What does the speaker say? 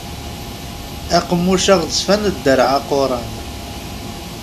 Aqemmuc aɣezfan ddarɛ aquran.